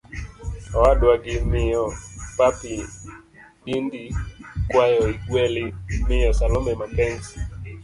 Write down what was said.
Owadwa.gi miyo Papi Dindi kwayo igweli miyo Salome Mapenzi